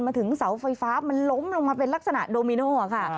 ถึงเสาไฟฟ้ามันล้มลงมาเป็นลักษณะโดมิโน่ค่ะ